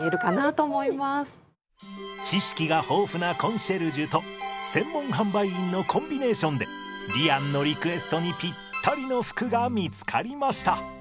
知識が豊富なコンシェルジュと専門販売員のコンビネーションでりあんのリクエストにぴったりの服が見つかりました。